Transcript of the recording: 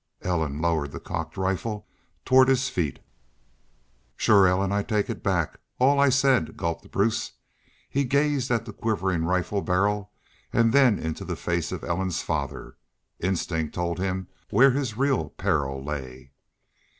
Ellen lowered the cocked rifle toward his feet. "Shore, Ellen, I take back all I said," gulped Bruce. He gazed at the quivering rifle barrel and then into the face of Ellen's father. Instinct told him where his real peril lay.